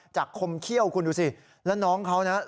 คมเขี้ยวคุณดูสิแล้วน้องเขานะ